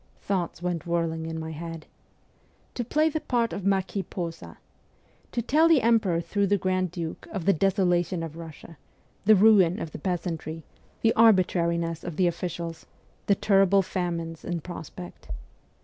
Thoughts went whirling in my head. To play the part of Marquis Posa ? To tell the emperor through the grand duke of the desolation of Russia, the ruin of the peasantry, the arbitrariness of the officials, the terrible famines in prospect